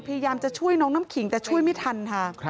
พยายามจะช่วยน้องน้ำขิงแต่ช่วยไม่ทันค่ะ